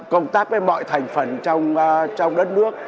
công tác với mọi thành phần trong đất nước